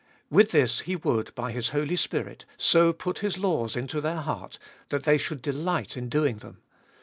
With this He would, by His Holy Spirit, so put His laws into their heart that they should delight in doing them.